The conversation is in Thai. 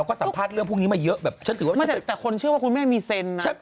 คนมาเลคนอะไรตอนก็มาเล